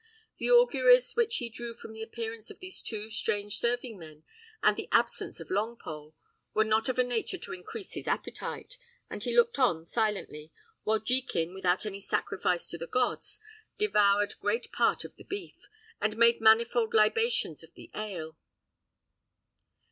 The auguries which he drew from the appearance of these two strange serving men, and the absence of Longpole, were not of a nature to increase his appetite; and he looked on silently, while Jekin, without any sacrifice to the gods, devoured great part of the beef, and made manifold libations of the ale.